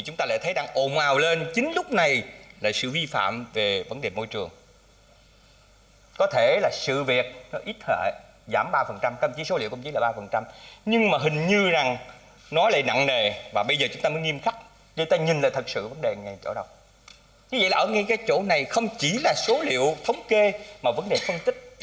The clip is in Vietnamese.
như vậy là ở ngay cái chỗ này không chỉ là số liệu thống kê mà vấn đề phân tích